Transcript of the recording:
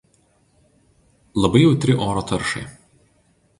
Labai jautri oro taršai.